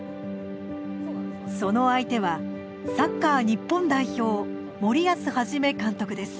その相手はサッカー日本代表森保一監督です。